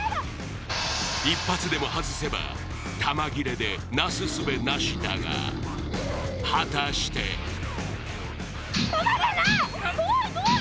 １発でも外せば弾切れでなすすべなしだが果たして弾がない怖い怖い！